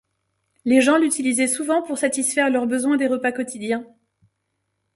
Les gens l’utilisaient souvent pour satisfaire leurs besoins des repas quotidiens.